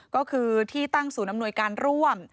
ก็คือที่ตั้งศูนย์อำนวยการร่วม